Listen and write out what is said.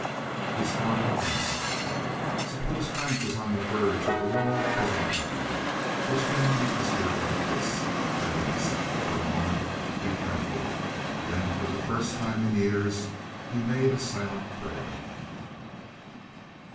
His father winced. Suppose Frank was on the verge of a long prison term, which meant an atmosphere like this? Heavens! For a moment, he trembled, then for the first time in years he made a silent prayer.